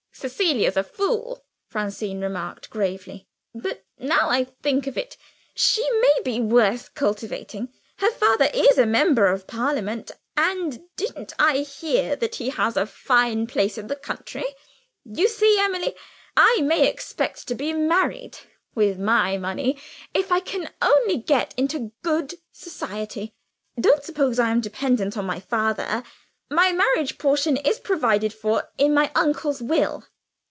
"Cecilia's a fool," Francine remarked gravely; "but now I think of it, she may be worth cultivating. Her father is a member of Parliament and didn't I hear that he has a fine place in the country? You see, Emily, I may expect to be married (with my money), if I can only get into good society. (Don't suppose I am dependent on my father; my marriage portion is provided for in my uncle's will.)